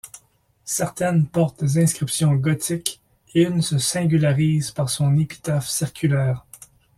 Certaines portent des inscriptions gothiques et une se singularise par son épitaphe circulaire.